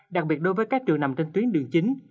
đặc biệt đối với các trường nằm trên tuyến đường chính